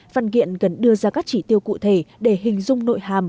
phần kiện gần đưa ra các chỉ tiêu cụ thể để hình dung nội hàm